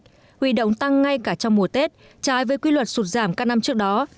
huy động tăng ngay cả trong mùa tết trái với quy luật sụt giảm các năm trước đó